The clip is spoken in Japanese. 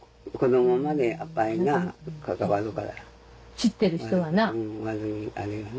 知ってる人はな。